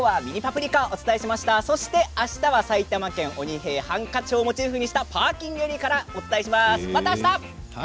あしたは埼玉県「鬼平犯科帳」をモチーフにしたパーキングエリアからお伝えします、またあした。